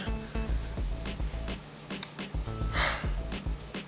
aku mau ke rumah